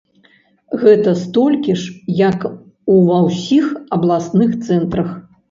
Гэта столькі ж, як у ва ўсіх абласных цэнтрах.